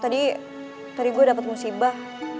tadi gue dapet musibah